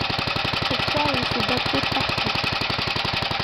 Pourtant l'on se battait partout.